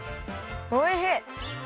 おいしい！